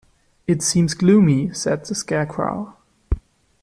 "It seems gloomy," said the Scarecrow.